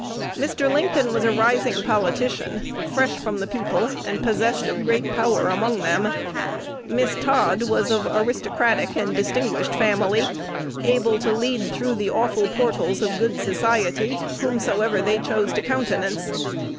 Mr. Lincoln was a rising politician, fresh from the people, and possessed of great power among them: Miss Todd was of aristocratic and distinguished family, able to lead through the awful portals of "good society" whomsoever they chose to countenance.